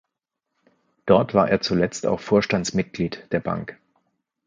Dort war er zuletzt auch Vorstandsmitglied der Bank.